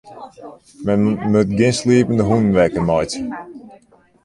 Men moat gjin sliepende hûnen wekker meitsje.